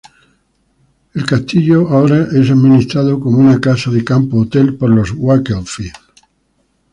El castillo ahora es administrado como una casa de campo-hotel por los Wakefield.